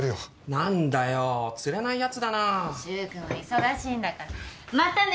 何だよつれないやつだな柊くんは忙しいんだからまたね